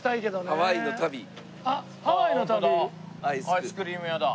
アイスクリーム屋だ。